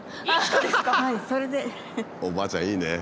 おばあちゃんいいね。